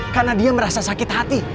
karena dia merasa sakit hati